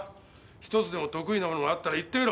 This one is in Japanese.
１つでも得意なものがあったら言ってみろ！